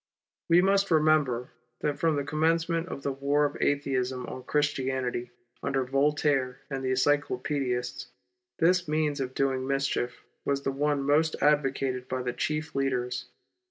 We must remember that from the commencement of the war of Atheism on Christianity, under Voltaire and the Encyclo paedists, this means of doing mischief was the one most advocated by the chief leaders.